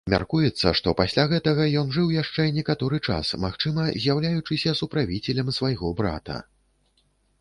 Мяркуецца, што пасля гэтага ён жыў яшчэ некаторы час, магчыма, з'яўляючыся суправіцелем свайго брата.